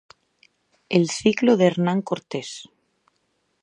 El ciclo de Hernán Cortés.